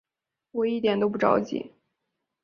我一点都不着急